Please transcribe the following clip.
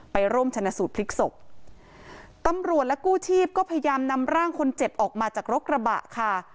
ไปร่วมชนะสูตรพลิกศพตำรวจและกู้ชีพก็พยายามนำร่างคนเจ็บออกมาจากรถกระบะค่ะ